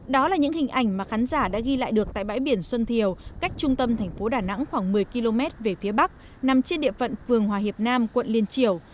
đó là những hình ảnh mà khán giả đã ghi lại được tại bãi biển xuân thiều cách trung tâm thành phố đà nẵng khoảng một mươi km về phía bắc nằm trên địa phận phường hòa hiệp nam quận liên triều